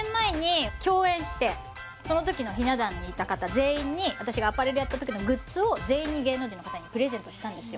その時のひな壇にいた方全員に私がアパレルやった時のグッズを全員に芸能人の方にプレゼントしたんですよ